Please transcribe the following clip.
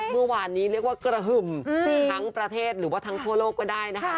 เมื่อวานนี้เรียกว่ากระหึ่มทั้งประเทศหรือว่าทั้งทั่วโลกก็ได้นะคะ